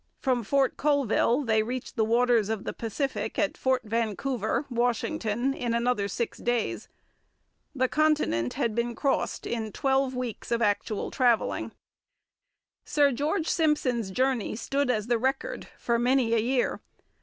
From Fort Colville they reached the waters of the Pacific at Fort Vancouver (Washington) in another six days. The continent had been crossed in twelve weeks of actual travelling. Sir George Simpson's journey stood as the record for many a year.